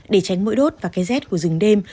để tránh mỗi đốt và cái dép của rừng đêm